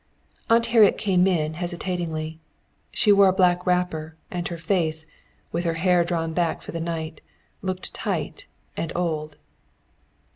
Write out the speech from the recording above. Aunt Harriet came in hesitatingly. She wore a black wrapper, and her face, with her hair drawn back for the night, looked tight and old.